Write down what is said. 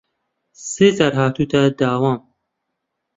سێ جار هاتووەتە داوام